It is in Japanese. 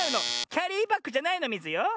キャリーバッグじゃないのミズよ。